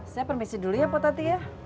saya permisi dulu ya potati ya